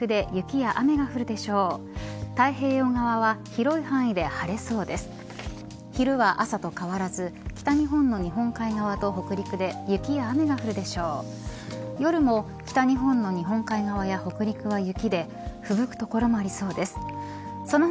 夜も北日本の日本海側や北陸は雪でふぶく所もありそうです。